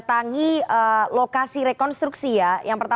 dan dijelaskan di situ alasannya